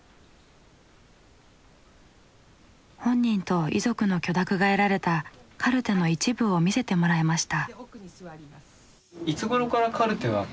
本人と遺族の許諾が得られたカルテの一部を見せてもらいました。